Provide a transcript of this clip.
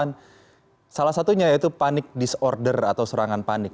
dan salah satunya yaitu panik disorder atau serangan panik